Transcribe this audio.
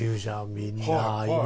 みんな今。